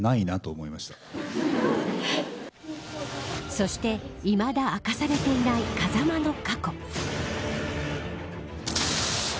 そしていまだ明かされていない風間の過去。